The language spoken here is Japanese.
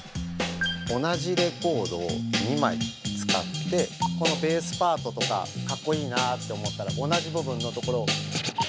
同じレコードを２枚使ってこのベースパートとかかっこいいなあって思ったら同じ部分のところを。